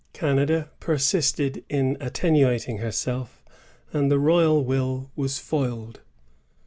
Canada persisted in attenuating herself, and the royal will was foiled.